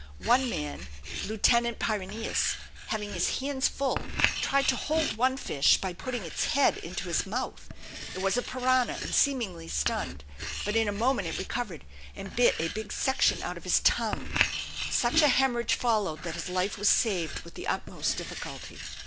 One man, Lieutenant Pyrineus, having his hands full, tried to hold one fish by putting its head into his mouth; it was a piranha and seemingly stunned, but in a moment it recovered and bit a big section out of his tongue. Such a hemorrhage followed that his life was saved with the utmost difficulty.